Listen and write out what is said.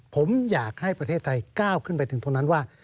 ผมอยากให้ประเทศไทยก้าวขึ้นไปถึงตรงนั้นว่า